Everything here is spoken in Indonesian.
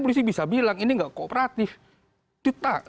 tetap bisa ditaruh